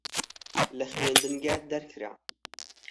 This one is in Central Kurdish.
لە خوێندنگە دەرکرام.